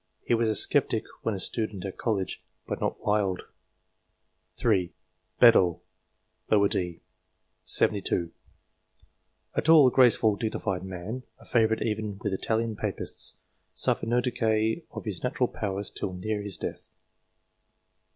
He was a sceptic when a student at college, but not wild. 3. Bedell, d, set. 72 ; a tall, graceful, dignified man ; a favourite even with Italian papists ; suffered no decay of his natural powers till near his death.